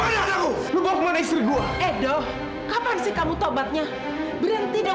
tadi tadi ada yang kesini karena untuk menjaga kava tapi tiba tiba itu mendapati kamilah sedang